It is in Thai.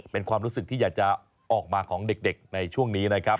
เป็นความรู้สึกที่อยากจะออกมาของเด็กในช่วงนี้นะครับ